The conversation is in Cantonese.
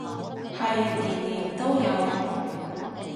係年年都有